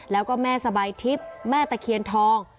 แล้วก็แม่สบายทิพย์แม่ตะเคียนทอง